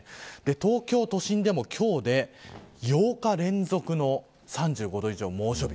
東京都心でも今日で８日連続の３５度以上の猛暑日。